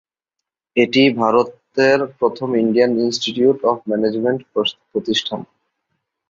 এটিই ভারতের প্রথম ইন্ডিয়ান ইনস্টিটিউট অফ ম্যানেজমেন্ট প্রতিষ্ঠান।